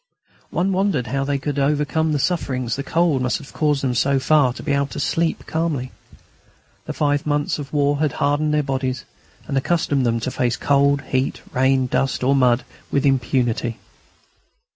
One wondered how they could have overcome the sufferings the cold must have caused them so far as to be able to sleep calmly. The five months of war had hardened their bodies and accustomed them to face cold, heat, rain, dust, or mud, with impunity.